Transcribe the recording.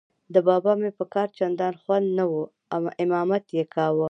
د بابا مې په کار چندان خوند نه و، امامت یې کاوه.